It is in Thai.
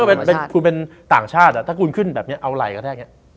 ใช่แล้วถ้าคุณเป็นต่างชาติถ้าคุณขึ้นแบบนี้เอาไหล่กระแทกอย่างนี้